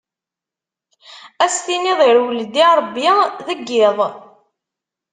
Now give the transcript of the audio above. Ad s-tiniḍ irwel-d i Rebbi deg iḍ!